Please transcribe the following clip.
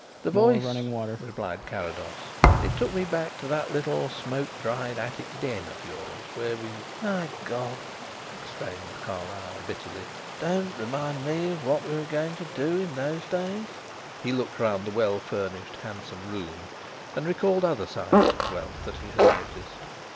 "The voice," replied Carrados. "It took me back to that little smoke dried attic den of yours where we " "My God!" exclaimed Carlyle bitterly, "don't remind me of what we were going to do in those days." He looked round the well furnished, handsome room and recalled the other signs of wealth that he had noticed.